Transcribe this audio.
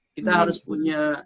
kita harus punya